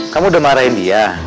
kamu udah marahin dia